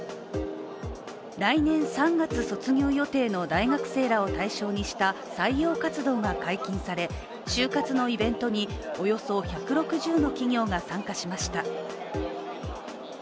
来年３月卒業予定の大学生らを対象にした採用活動が解禁され、就活のイベントにおよそ１６０の企業が参加しました。